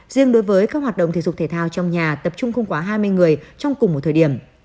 riêng đối với các hoạt động thể dục thể thao trong nhà tập trung không quá hai mươi người trong cùng một thời điểm